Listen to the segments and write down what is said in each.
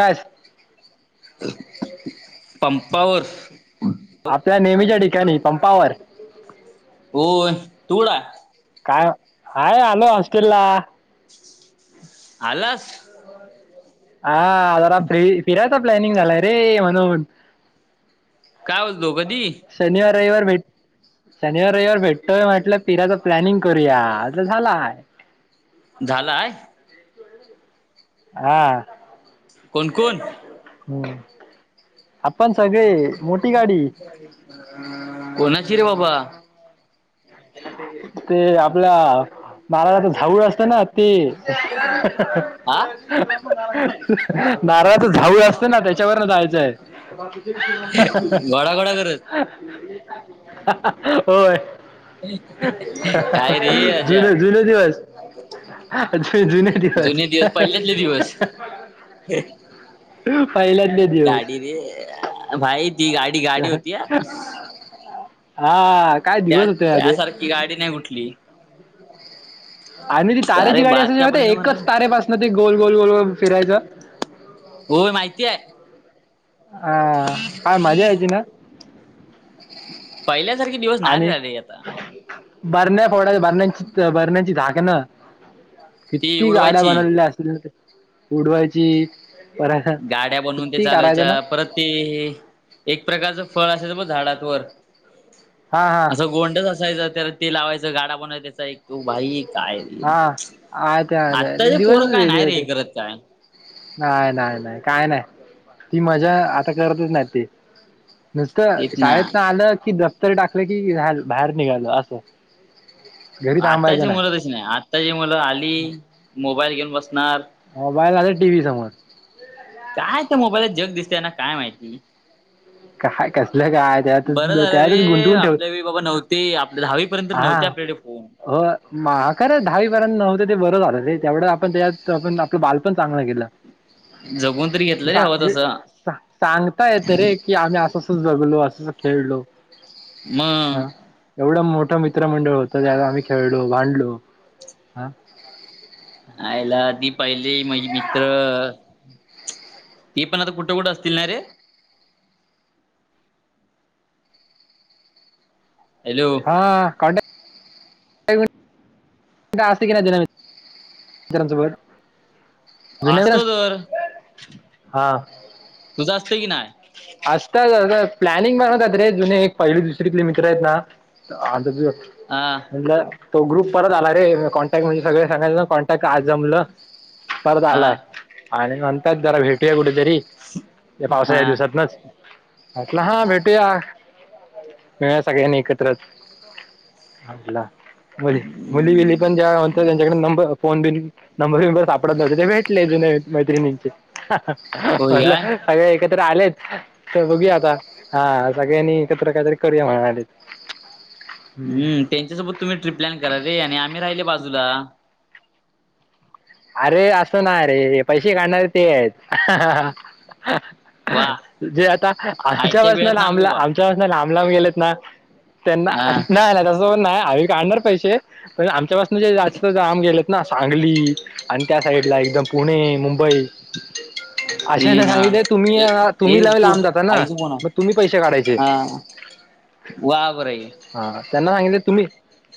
बस पंपावर आपल्या नेहमीच्या ठिकाणी पंपावर. कोण, तुकुठाय. काय, हाय आलोय हॉस्टेल ला. आलास. हां, जरा फी फिरायचा प्लॅनिंग झालाय रे म्हणून. काय बोलतो कधी? शनिवार रविवार भेट शनिवार रेवार भेटतोय म्हटलं फिराच प्लॅनिंग करूया, असं झाला हाय. झालाय. हां. कोण कोण? हम्म, आपण सगळे मोठी गाडी. कोणाची रे बाबा? [unintelligible] ते आपल्या बालाला झाऊूळ असतं ना ते. हा नारळाचा झाऊळ असतं ना त्याच्यावरन जायचंय आहं. घोडा घोडा करत होय. काय रे राजा जुने जुने दिवस ते जुने, दिवस जुने पहिल्यातले दिवस पहिल्या गाडी रे भाई ती गाडी गाडी होती हा, हा काय त्या दिवस होते ना ते त्यासारखी गाडी नाही कुठली, आणि ती तारेची अरे गाडी असायची बारक्यापर्यंत म्हणा एकच तारेपासनं ते गोल गोल गोल गोल फिरायचं? हो माहिती आहं. हा काय मजा यायची ना. पहिल्यासारखे दिवस नाय रे आणि राहिले आता. बरण्या फोडायच्या बरण्याची बरण्याची झाकणं ती किती गाड्या उडवायची बनवल्या असतील ना ते उडवायची. परत गाड्या बनवून ते किती करायचं ना चालवायच्या परत ते हे एक प्रकारचं फळ असायचं बग झाडानवर हा हा असं गोंडच असा असायचं त्याला ते लावायंच गाडा बनवायचं. एक तू भाई काय रे हा आयत्या आयत्या ते आत्ताची दिवस पोरं काय वेगळे नाही रे हे होते करत काय, नाही नाही काय नाही ती मजा आता करतच नाही ती. नुसतं तेच ना शाळेतन आलं की दफ्तर टाकलं की बाहेर निघालं असं, घरी आत्ताची थांबायचं मुलं तशी नाही आत्ताची मुलं आली मोबाईल घेऊन बसणार, मोबाईल नाहीतर टीव्ही समोर, काय त्या मोबाईलात जग दिसतेय यांना काय माहिती. काय कसलं काय त्यातच बरं झालं रे त्यातच गुंतवून ठेवत आपल्या वेळी बाबा नव्हते आपल्या दहावीपर्यंत तरी नव्हते आपल्याकडे फोन होय म खरं दहावीपर्यंत नव्हतं ते बरं झालं ते तेवढंच आपण त्यात आपण आपलं बाल पण चांगलं गेलं. [unintelligible] जगून तरी घेतलं रे हवं तसं सागीनं सांगता येतं रे. की आम्ही असं असं जगलो असं असं खेळलो. म अ ह एवढं मोठं मित्रमंडळ होतं त्यात आम्ही खेळलो, भांडलो. हा आयला ती पाहिले माझी मित्र ती पण आता कुठं कुठं असतील ना रे? हॅलो हा कॉन्टाक [unintelligible] [inaudible] मित्रांसोबत. जुन्या असतो मित्रां- तर. हा तुझं असतंय की नाय? असतात प्लॅनिंग बनवतात रे जुने एक पहिली दुसरीतले मित्र आहेत ना, आता जग हा म्हणल तो ग्रुप परत आला रे कॉन्टॅक्ट म्हणजे सगळे सांगयचं कॉन्टॅक्ट आज जमलं परत हा आलाय आणि नंतर जरा भेटूया कुठेतरी. ह्या हा पावसाळ्या दिवस [unintelligible] म्हटलं हा भेटूया. मिळूया सगळ्यांनीच एकत्रच. आडला मुली मुली बीली पण ज्या होत्या त्यांच्याकडे नंबर फोन बिन नंबर बिंबर सापडत नव्हते ते भेटले जुने मैत्रिणींचे. होय म्हंटल काय सगळे एकत्र आलेत तर बघूया आता हा सगळ्यांनी एकत्र काहीतरी करूया म्हणालेत. हम्म त्यांच्यासोबत तुम्ही ट्रिप प्लॅन करा रे आणि आम्ही राहिले बाजूला. अरे असं नाय रे पैसे घालणारे ते आहेत. वा जे आता आमच्या आयत्या पाासनं वेळात लांबला नागोबा आमच्या पासनं लांब लांब गेलेत ना त्यांना हा नाही नाही तसं पण नाही आम्ही काढणार पैसे, पण आमच्या पाासन जे जास्त लांब गेलेत ना सांगली आणि त्या साईडला एकदम पुणे, मुंबई ए अशांना हा सांगितलंय तुम्ही ए अ ए तुम्ही लय तू लांब जाता ना, आईच फोन मग आहे. तुम्ही पैसे काढायचे. हा वा बर आहे. हा त्यांना सांगितलंय तुम्ही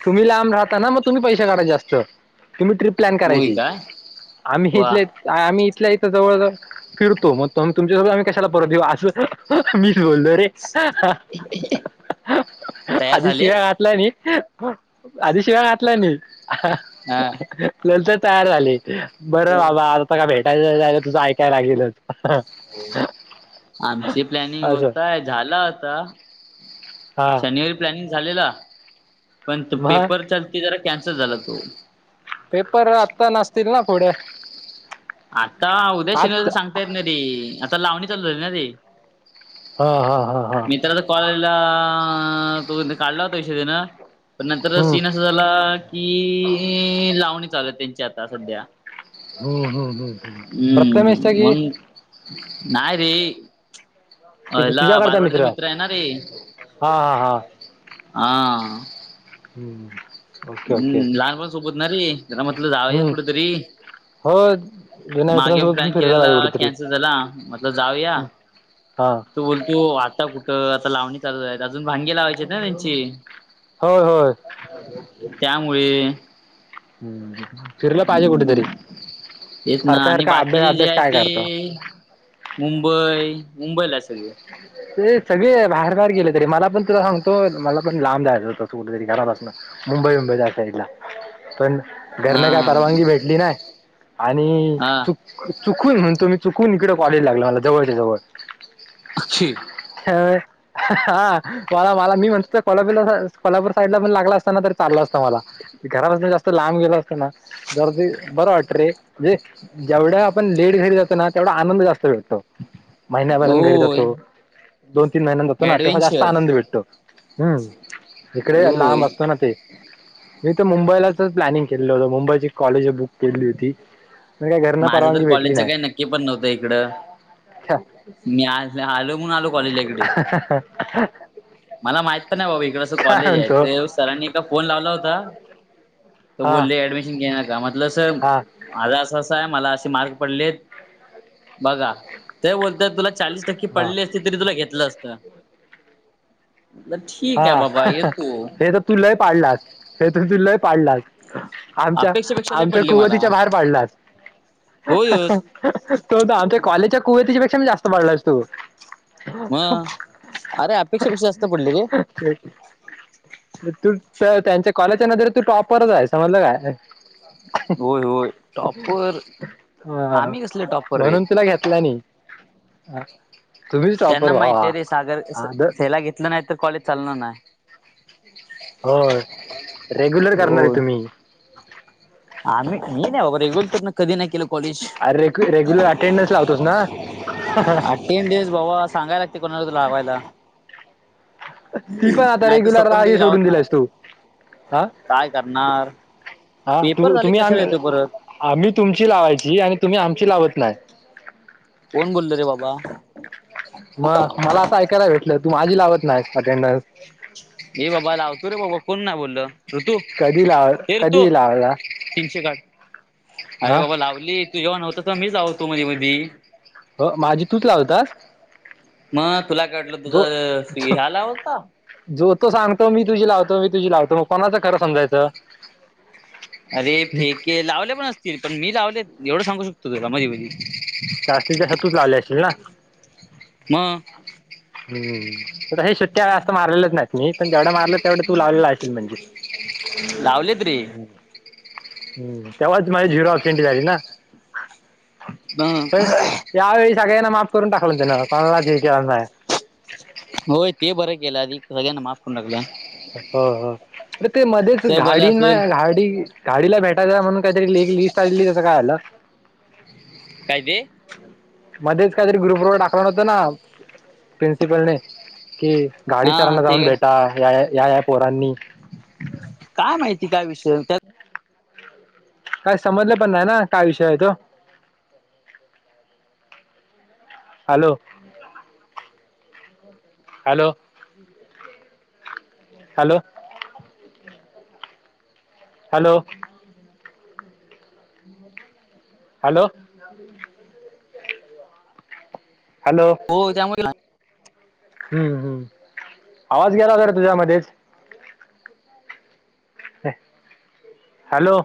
तुम्ही लांब राहता ना, मग तुम्ही पैशे काढा जास्त. तुम्ही ट्रिप प्लॅन होय करायची. काय आम्ही वा इथल्या आम्ही इथल्या इथं जवळ जवळ फिरतो, मग तुम्ही तुमच्यासोबत आम्ही कशाला परत येऊ असं मीच बोललो रे. तयार आधी झाले शिव्या घातल्या मी. आधी शिव्या घातल्या मी हा नंतर तयार झाले. बरं बाबा आता काय भेटायला जायचं तर तुझं ऐकाय लागेलच. आमची प्लॅनिंग असं होतं झालं होतं हा शनिवारी प्लॅनिंग झालेला, पण तो मग पेपरचा ते जरा कॅन्सल झाला तो. पेपर आत्ता नसतील ना पुढे? आता उद्या आज शनिवारच सांगता येत ना रे, आता लावणी चालू झाली ना रे. हा हा हा हा. मित्राचा कॉल‌ आलेला, तो म्हणतोय काढला होता विषय त्यांन, पण नंतरचा हम्म सीन असं झाला की लावणी चालू आहेत त्यांची आता सध्या. हम्म हम्म हम्म. प्रथमेशचा की नाय रे ते पहिला तुझ्याकडचा बालवाडीचा मित्र आहे ना रे हा हा हा हा. हम्म. ओके ओके हम्म लहानपणा सोबत ना रे त्याला म्हटलं जाऊया हम्म कुठतरी. हो जुन्या मागे पण मित्रांसोबत प्लॅन फिरायला केलेला पाहिजे कुठेतरी कॅन्सल झाला. म्हटलं जाऊया हा. तो बोलतो आता कुठं आता लावणी चालू झाली. अजून भांगी लावायचे आहेत ना त्यांची. होय होय. त्यामुळे हम्म फिरलं पाहिजे कुठेतरी. तेच ना सारखा आणि सारखा बाकीचे अभ्यास जे अभ्यास आहे काय ते करतो मुंबई मुंबईला आहेत सगळे. ते सगळे बाहेर बाहेर गेलेत रे. मला पण तुला सांगतो, मला पण लांब जायचं होतं कुठतरी घरापासनं. मुंबई-बिंबई त्या साईडला पण हा घरनं काय परवानगी भेटली नाही. आणि हा चु-चुकून म्हणतो मी चुकून इकडे कॉलेज लागलं मला जवळच्या जवळ. [unintelligible] [unintelligible] ह्.. हा.. मला.. मला मी म्हणत कोल्हापूरला कोल्हापूर साईडला पण लागला असताना तरी चाललं असतं मला. घरापासन जास्त लांब गेल असत ना जर बरं वाट रे.. जेवढ्या आपण लेट घरी जातो ना तेवढा आनंद जास्त भेटतो, महिन्याभरान घरी जातो. व्हय दोन- तीन महिन्यात जातो ना तेव्हा जास्त आनंद भेटतो, ह्म्म्.. इकडे होय लांब असतो ना ते मी तर मुंबईलाचच प्लॅनिंग केलेलं होत मुंबईची कॉलेज बुक केली होती. घरना माझं तर परवानीे भेटली कॉलेजचं नाही. काही नक्की पण नव्हत इकड, अच्छा, मी आज आलो. म्हणून आलो कॉलेजला इकडे मला माहित नाही बाबा इकड अस काय कॉलेज आहे, म्हणतो ते सरांनी एकदा फोन लावला होता. तर हा बोले ऍडमिशन घेणार का? म्हटलं सर हा माझ असं.. असं.. आहे मला असे मार्क पडलेत. बगा, ते बोलतेत तुला चाळीस टक्के हा पडले असते तरी तुला घेतलं असतं. म्हटलं ठीक हा.. आहे बाबा ह्.. ह.. येतो हे तर तु लाय पाडलास, हे तू लय पाडलास. आमच्या... अपेक्षेपेक्षा लय आमच्या पडली मला. कुवतीच्या बाहेर पाडलाच. ह्.. ह्.. ह्.. होयच. ह्.. तो तर आमच्या कॉलेजच्या कुवतीच्या पेक्षा बी जास्त पाडलास तु मग.. अरे.. अपेक्षा पेक्षा जास्त पडले रे.. [inaudible] तू त्या.. त्यांच्या कॉलेजच्या नजरेत तू टॉपरच आहे, समजलं काय होय.. होय.. टॉपर.. हा. आम्ही कसले टॉपर रे? म्हणून [unintelligible] तुम्हीच टॉपर त्यांना व्हा माहितीय रे सागर स.. हा द ह्याला घेतलं नाही तर कॉलेज चालणार नाय. होय.. रेग्युलर करणारे होय. तुम्ही आम्ही.. मी नाही बाबा रेगुलर तर कधी नाही केल. अरे.. रे.. रेग्युलर अटेंडन्स लावतोस ना.. ह्.. ह्.. तीन डेस भावा सांगाय लागते कोणाला तरी लावायला. ती ह्ह्.... पण आता नाही तर रेग्युलर स्वतःहुन कधी राहायची सोडून लावत नाय. दिलायस तू हा काय करणार.. हा पेपर तू झाले तुम्ही की आम कशाला येतो परत आम्ही तुमची लावायची आणि तुम्ही आमची लावत नाय. कोण बोल रे.. बाबा मग.. मला असं ऐकायला भेटलं, तू माझी लावत नाहीस अटेंडन्स. हे.. बाबा लावतो रे... बाबा कोण नाय बोल. ऋतू.. कधी लाव हे ऋतू... कधी लावला तीनशे साठ, अरे.. हा बाबा लावली. तू जेव्हा नव्हतास मीच लावत होतो मधी.. मधी.. हो, माझी तूच लावतास. मग तुला काय वाटलं, जो तुझं हे.. स्. आला होता. जो तो सांगतो मी तुझी लावतो, मी तुझी लावतो मग कोणाचं खरं समजाच. अरे.. फेके लावले पण असतील पण मी लावले एवढं सांगू शकतो तुला मधी.. मधी.. जास्तीत जास्त तूच लावले असतील ना? म.. हम्म.. हे शिट्ट्या जास्त मारलेलेच नाहीत. मी पण जेवढ्या मारलं तेवढा तू लावलेला अशील, म्हणजे लावलेत रे हम्.. तेव्हाच माझी झिरो अपसेन्टी झाली ना? ह्म्म्म.. हा.. त्यावेळी सगळ्यांना माफ करून टाकलंन त्यानं कोणाला जे केल्यानं नाय. होय ते बरं केलं आधीक सगळ्यांना माफ करून टाकलं. हो हो अरे ते मध्येच साहेब आले घाडी असेल नाय घाडी. घाडीला भेटायचाय म्हणून काईतरी एक ली लिस्ट आलेली त्याच काय आलं? काय ते? मध्येच कायतरी ग्रुप वर टाकलन होत ना प्रिन्सिपलने, कि घाडी हा सरांना ते जाऊन भेटा काय या या या या पोरांनी. काय माहिती काय विषय न त्यात काय समजलं पण नाय ना काय विषयाय तो. Hello hello hello hello hello [inaudible] hello हो त्यामुळे ना हम्म हम्म आवाज गेला कारं तुझा मध्येच. हॅलो